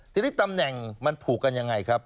ทีนี้ตำแหน่งมันผูกกันยังไงครับ